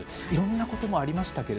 いろんなこともありました